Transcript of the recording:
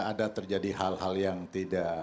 ada terjadi hal hal yang tidak